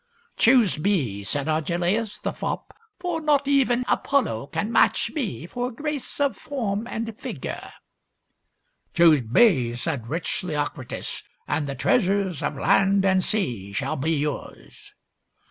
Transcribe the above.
" Choose me," said Agelaus, the fop ;" for not even Apollo can match me for grace of form and figure." 174 THIRTY MORE FAMOUS STORIES "Choose me," said rich Leocritus, "and the treasures of land and sea shall be yours."